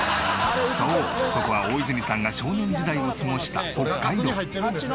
そうここは大泉さんが少年時代を過ごした北海道。